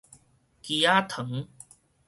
枝仔糖